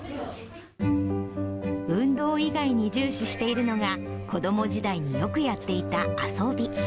運動以外に重視しているのが、子ども時代によくやっていた遊び。